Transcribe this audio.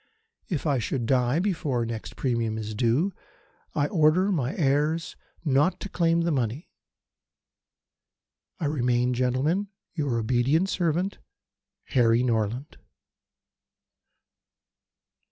If I should die before the next premium is due I order my heirs not to claim the money. I remain, Gentlemen, your obedient servant, "HARRY NORLAND."